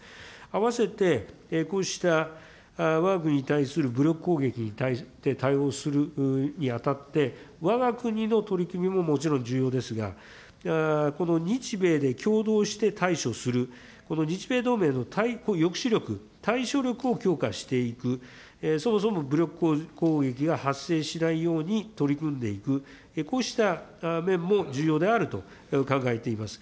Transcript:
併せてこうしたわが国に対する武力攻撃に対応するにあたって、わが国の取り組みももちろん重要ですが、この日米で共同して対処する、この日米同盟の抑止力、対処力を強化していく、そもそも武力攻撃が発生しないように取り組んでいく、こうした面も重要であると考えています。